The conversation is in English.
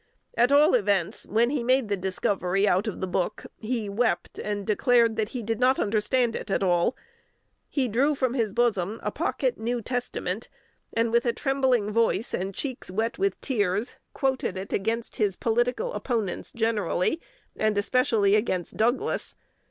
At all events, when he made the discovery out of the book, he wept, and declared that he "did not understand it at all." He drew from his bosom a pocket New Testament, and, "with a trembling voice and his cheeks wet with tears," quoted it against his political opponents generally, and especially against Douglas.